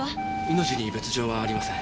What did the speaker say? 命に別条はありません。